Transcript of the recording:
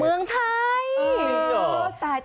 เมืองไทย